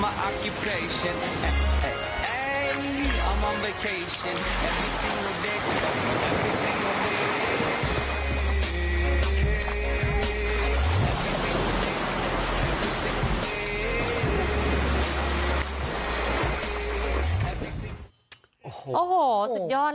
มันไม่ได้สวยแซ่บซีดโอ้หูต้องร้องวาวไปขนาดนั้น